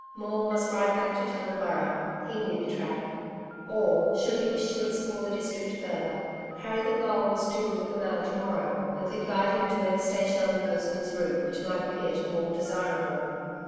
Maule must ride back to Tunumburra he knew the track. Or, should he wish to explore the district further, Harry the Blower was due with the mail to morrow, and could guide him to any station on the post man's route which might appear to Maule desirable.